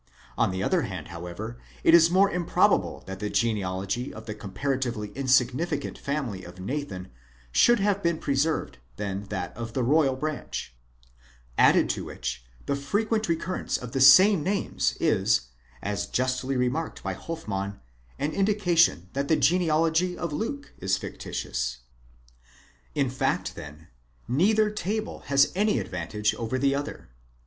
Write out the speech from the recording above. On the other hand, however, it is more mmprobable that the genealogy of the comparatively insignificant family of Nathan should have been pre served, than that of the royal branch Added to which, the frequent recee rence of the same names ἘΞ, 28 justly remarked by Hoiimam, an Indication that the genealogy of Lake is fictitious. In fact then neither table has any advantage over the other.